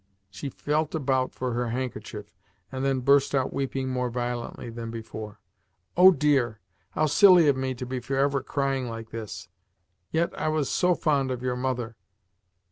She felt about for her handkerchief, and then burst out weeping more violently than before. "Oh dear! How silly of me to be for ever crying like this! Yet I was so fond of your mother!